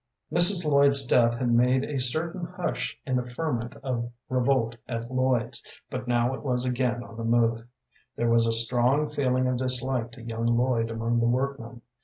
Mrs. Lloyd's death had made a certain hush in the ferment of revolt at Lloyd's, but now it was again on the move. There was a strong feeling of dislike to young Lloyd among the workmen.